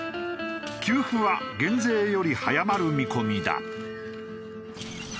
給付は減税より早まる見込みだ。